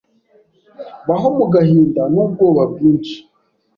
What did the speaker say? Baho mu gahinda n'ubwoba bwinshi